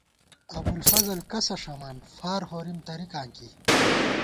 ابُوالفضل کسہ ݭمان ، فار ہورِم ترِکاں کی